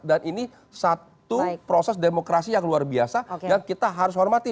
dan ini satu proses demokrasi yang luar biasa yang kita harus hormati